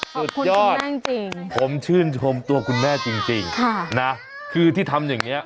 สุดยอดจริงผมชื่นชมตัวคุณแม่จริงนะคือที่ทำอย่างนี้